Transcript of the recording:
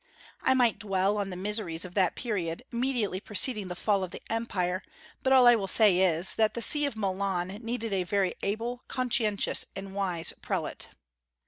I might dwell on the miseries of that period, immediately preceding the fall of the Empire; but all I will say is, that the See of Milan needed a very able, conscientious, and wise prelate.